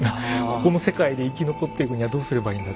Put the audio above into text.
「ここの世界で生き残っていくにはどうすればいいんだ」。